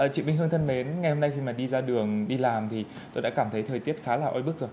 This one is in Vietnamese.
chị minh hương thân mến ngày hôm nay khi mà đi ra đường đi làm thì tôi đã cảm thấy thời tiết khá là oi bức rồi